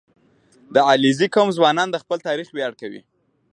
• د علیزي قوم ځوانان د خپل تاریخ ویاړ کوي.